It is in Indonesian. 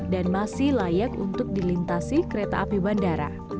dan masih layak untuk dilintasi kereta api bandara